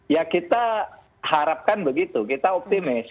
ya kita harapkan begitu kita optimis